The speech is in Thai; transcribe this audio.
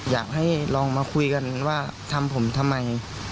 อยากให้ลองมาคุยกันว่าทำผมทำไม